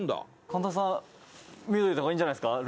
「神田さん見ておいた方がいいんじゃないですか？